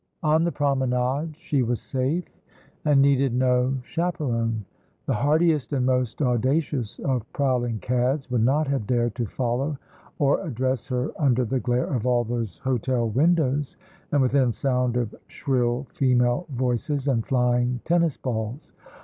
On the promenade she was safe and needed no chaperon. The hardiest and most audacious of prowling cads would not have dared to follow or address her under the glare of all those hotel windows, and within sound of shrill female voices and flying tennis balls.